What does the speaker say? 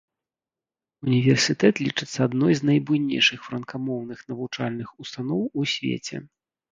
Універсітэт лічыцца адной з найбуйнейшых франкамоўных навучальных устаноў у свеце.